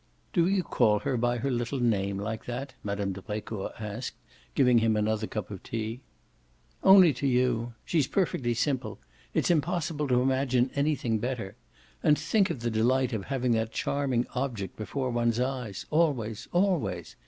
"Do you call her by her little name like that?" Mme. de Brecourt asked, giving him another cup of tea. "Only to you. She's perfectly simple. It's impossible to imagine anything better. And think of the delight of having that charming object before one's eyes always, always!